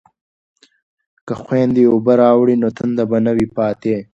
که خویندې اوبه راوړي نو تنده به نه وي پاتې.